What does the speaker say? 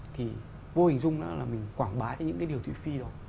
thì vô hình dung là mình quảng bá những cái điều thị phi đó